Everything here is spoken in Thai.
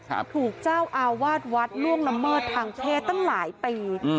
ถูกเจ้าอาวาสวัดล่วงละเมิดทางเพศตั้งหลายปีอืม